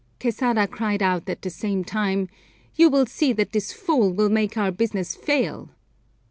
Quesada cried out at the same time, "You will see that this fool will make our business fail."